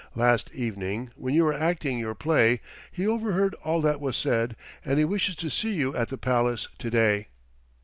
Last evening, when you were acting your play, he overheard all that was said, and he wishes to see you at the palace to day."